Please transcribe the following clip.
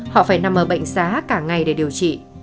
họ phải nằm ở bệnh xá cả ngày để điều trị